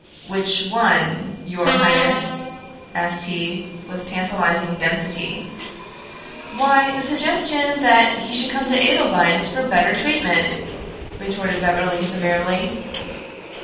"Which one, your highness?" asked he, with tantalizing density. "Why, the suggestion that he should come to Edelweiss for better treatment," retorted Beverly severely.